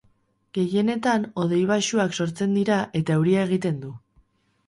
Gehienetan hodei baxuak sortzen dira eta euria egiten du.